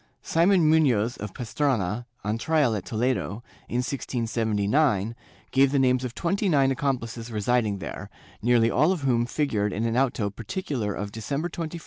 Simon Munoz of Pastrana, on trial at Toledo, in 1679, gave the names of twenty nine accomplices residing there, nearly all of whom figured in an auto particular of December 21, 1680.